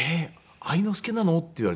愛之助なの？」って言われて。